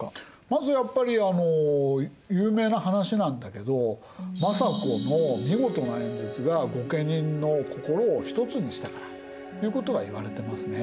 まずやっぱり有名な話なんだけど政子の見事な演説が御家人の心をひとつにしたからということはいわれていますね。